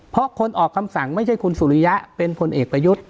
เพราะคนออกคำสั่งไม่ใช่คุณสุริยะเป็นพลเอกประยุทธ์